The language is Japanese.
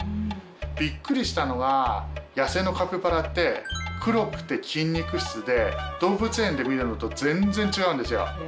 びっくりしたのが野生のカピバラって黒くて筋肉質で動物園で見るのと全然違うんですよ。